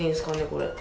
これ。